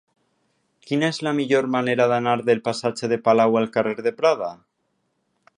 Quina és la millor manera d'anar del passatge de Palau al carrer de Prada?